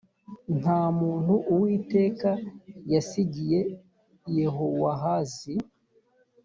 nta muntu uwiteka yasigiye yehowahazi